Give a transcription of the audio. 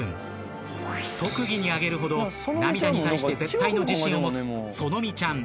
特技に挙げるほど涙に対して絶対の自信を持つ。